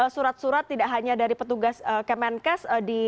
surat surat tidak hanya dari petugas kemenkes